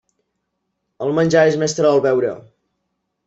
El menjar és mestre del beure.